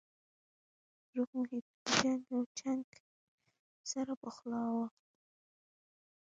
روغ محیط و جنګ او چنګ سره پخلا وو